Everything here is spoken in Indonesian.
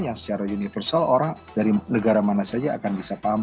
yang secara universal orang dari negara mana saja akan bisa paham